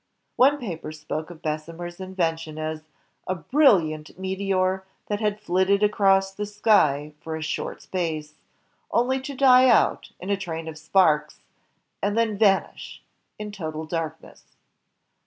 One paper spoke of Bessemer's in vention as ''a brilliant meteor that had flitted across the ... sky for a short space, only to die out in a train of sparks, and then vanish in total darkness."